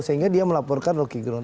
sehingga dia melaporkan roky gerung